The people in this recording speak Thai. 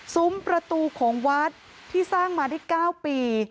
ซุ้มประตูของวัดที่สร้างมาได้๙ปี